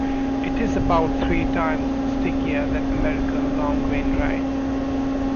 It is about three times stickier than American long-grain rice.